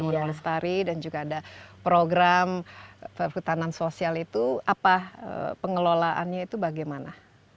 undang undang setari dan juga ada program perhutanan sosial itu apa pengelolaannya itu bagaimana